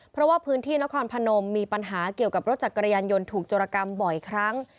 เพราะว่าพื้นที่นครพนมมีปัญหาเกี่ยวกับรถจักรยานยนต์ถูกโจรกรรมบ่อยครั้ง